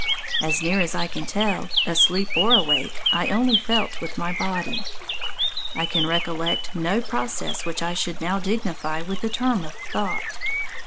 As near as I can tell, asleep or awake I only felt with my body. I can recollect no process which I should now dignify with the term of thought.